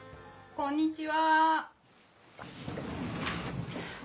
こんにちは。